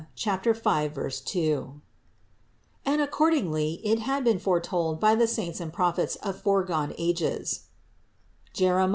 5, 2), and ac cordingly it had been foretold by the Saints and Prophets of foregone ages (Jerem.